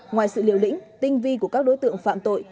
ngoài sự liều lĩnh tinh vi của các đối tượng phạm tội